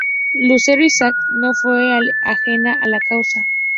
Lucero Issac no fue ajena a la causa.